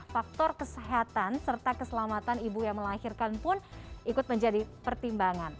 faktor kesehatan serta keselamatan ibu yang melahirkan pun ikut menjadi pertimbangan